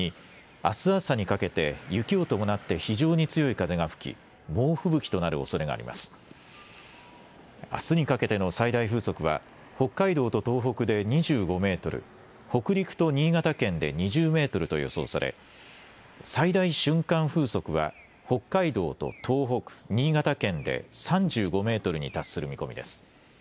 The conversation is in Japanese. あすにかけての最大風速は北海道と東北で２５メートル、北陸と新潟県で２０メートルと予想され最大瞬間風速は北海道と東北、新潟県で３５メートルに達する見込みです。